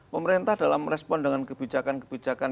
pemerintah dalam respon dengan kebijakan kebijakan